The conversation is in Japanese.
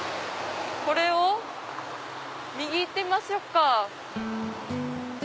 これを右行ってみましょうか。